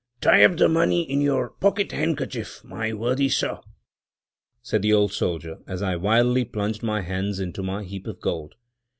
"Tie up the money in your pocket handkerchief, my worthy sir," said the old soldier, as I wildly plunged my hands into my heap of gold.